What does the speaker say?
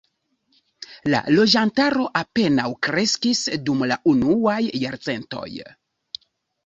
La loĝantaro apenaŭ kreskis dum la unuaj jarcentoj.